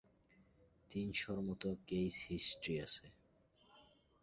তিন শর মতো case history আছে।